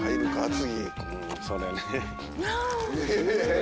次。